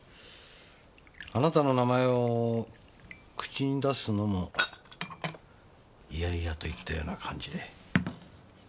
あなたの名前を口に出すのも嫌々といったような感じで。